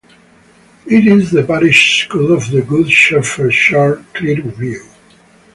It is the parish school of the Good Shepherd church, Clearview.